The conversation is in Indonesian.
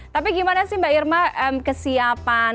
tapi gimana sih mbak irma kesiapan